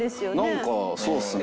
なんかそうっすね。